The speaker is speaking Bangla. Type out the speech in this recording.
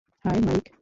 High, mic!